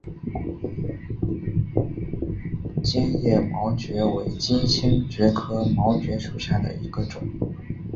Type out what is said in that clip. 坚叶毛蕨为金星蕨科毛蕨属下的一个种。